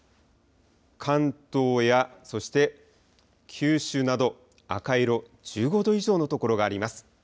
関東や、そして九州など、赤色、１５度以上の所があります。